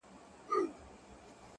موږ د غني افغانستان په لور قدم ايښی دی-